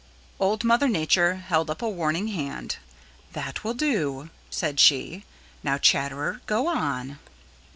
Old Mother Nature held up a warning hand. "That will do," said she. "Now, Chatterer, go on."